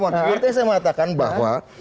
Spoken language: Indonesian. maksudnya saya mengatakan bahwa